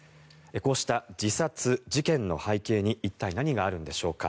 こうした自殺、事件の背景に一体何があるんでしょうか。